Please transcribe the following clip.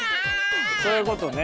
そういうことね。